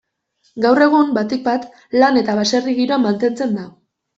Gaur egun, batik-bat, landa eta baserri giroan mantentzen da.